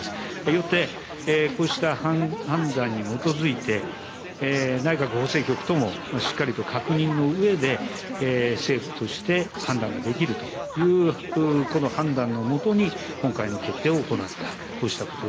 よって、こうした判断に基づいて、内閣法制局ともしっかりと確認のうえで、政府として判断ができるという、この判断の下に、今回の決定を行った。